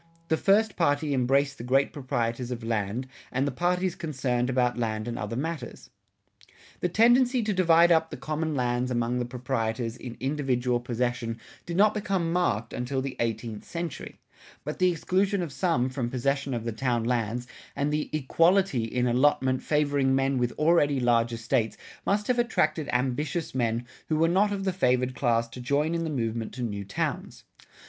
... The first party embraced the great proprietors of land, and the parties concerned about land and other matters."[63:2] The tendency to divide up the common lands among the proprietors in individual possession did not become marked until the eighteenth century; but the exclusion of some from possession of the town lands and the "equality" in allotment favoring men with already large estates must have attracted ambitious men who were not of the favored class to join in the movement to new towns.